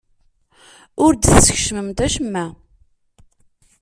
Ur d-teskecmemt acemma.